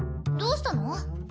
どうしたの？